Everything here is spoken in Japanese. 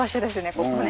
ここね。